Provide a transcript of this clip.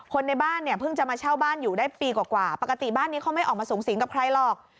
ในบ้านเนี่ยเพิ่งจะมาเช่าบ้านอยู่ได้ปีกว่าปกติบ้านนี้เขาไม่ออกมาสูงสิงกับใครหรอก